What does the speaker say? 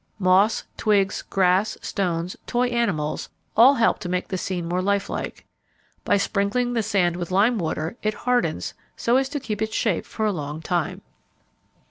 Moss, twigs, grass, stones, toy animals all help to make the scene more lifelike. By sprinkling the sand with lime water it hardens so as to keep its shape for a long time.